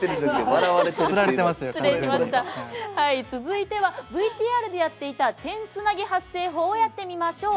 続いてはＶＴＲでやっていた点つなぎ発声法をやってみましょう。